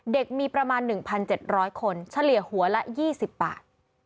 มีประมาณ๑๗๐๐คนเฉลี่ยหัวละ๒๐บาท